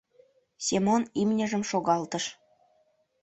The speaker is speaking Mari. — Семон имньыжым шогалтыш.